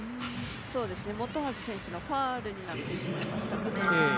本橋選手のファウルになってしまいましたかね。